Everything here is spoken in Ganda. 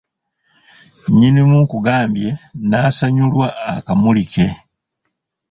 Nnyinimu nkugambye n’asanyulwa akamuli ke.